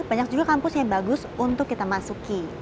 banyak juga kampus yang bagus untuk kita masuki